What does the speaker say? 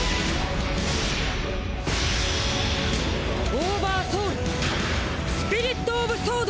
オーバーソウルスピリットオブソード。